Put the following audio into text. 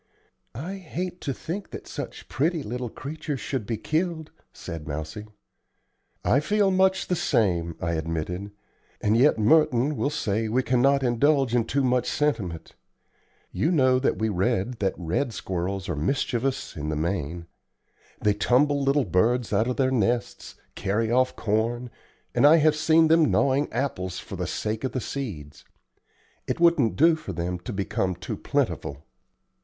"I hate to think that such pretty little creatures should be killed," said Mousie. "I feel much the same," I admitted; "and yet Merton will say we cannot indulge in too much sentiment. You know that we read that red squirrels are mischievous in the main. They tumble little birds out of their nests, carry off corn, and I have seen them gnawing apples for the sake of the seeds. It wouldn't do for them to become too plentiful.